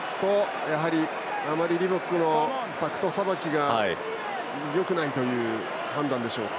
あまりリボックのタクトさばきがよくないという判断でしょうか。